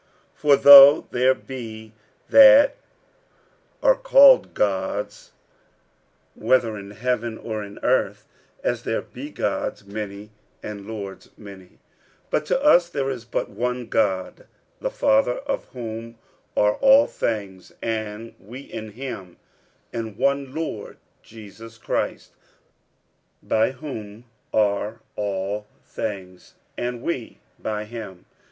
46:008:005 For though there be that are called gods, whether in heaven or in earth, (as there be gods many, and lords many,) 46:008:006 But to us there is but one God, the Father, of whom are all things, and we in him; and one Lord Jesus Christ, by whom are all things, and we by him.